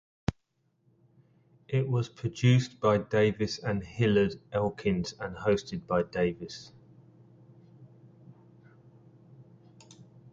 It was produced by Davis and Hillard Elkins and hosted by Davis.